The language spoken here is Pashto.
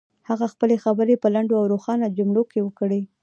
هغه خپلې خبرې په لنډو او روښانه جملو کې وکړې.